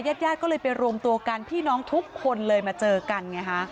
ญาติญาติก็เลยไปรวมตัวกันพี่น้องทุกคนเลยมาเจอกันไงฮะ